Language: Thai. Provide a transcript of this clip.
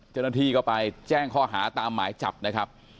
เจ้าหน้าที่ก็ไปแจ้งข้อหาตามหมายจับนะครับ